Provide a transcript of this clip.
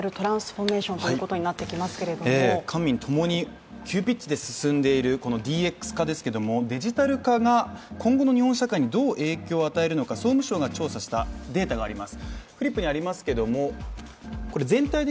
官民ともに急ピッチで進んでいるＤＸですけどもデジタル化が今後の日本社会にどう影響を与えるのか総務省が調査したデータがあります。